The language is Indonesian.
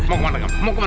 mau kemana pak mau kemana